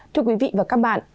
thưa quý vị và các bạn